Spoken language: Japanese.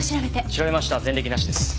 調べました前歴なしです。